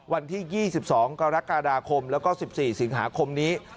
วันที่๒๒กรกฎาคมแล้วก็๑๔สิงหาคมนี้